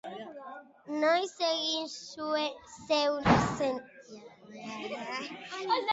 Noiz egin zenuen barre azkeneko aldiz?